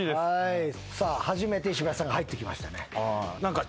さあ初めて石橋さんが入ってきましたね。